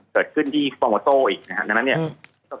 เกิดขึ้นที่ฟอร์โมโต้อีกนะครับ